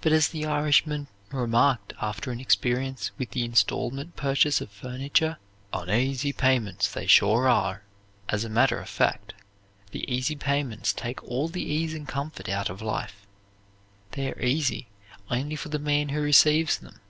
But as the Irishman remarked after an experience with the instalment purchase of furniture: "Onaisy payments they sure are." As a matter of fact, the easy payments take all the ease and comfort out of life they are easy only for the man who receives them.